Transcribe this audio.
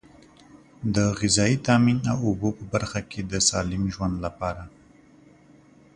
د غذایي تامین او اوبو په برخه کې د سالم ژوند لپاره.